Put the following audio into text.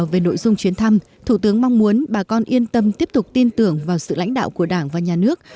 về nội dung chuyến thăm thủ tướng mong muốn bà con yên tâm tiếp tục tin tưởng vào sự lãnh đạo của đảng và nhà nước